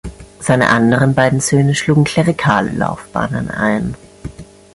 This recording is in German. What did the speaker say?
Seine anderen beiden Söhne schlugen klerikale Laufbahnen ein.